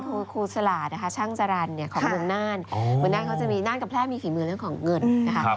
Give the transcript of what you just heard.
คือครูสลาดนะคะช่างจรรย์ของเมืองน่านเมืองน่านเขาจะมีน่านกับแพร่มีฝีมือเรื่องของเงินนะคะ